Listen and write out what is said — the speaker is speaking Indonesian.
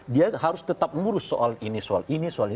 dia harus tetap mengurus soal ini soal ini soal ini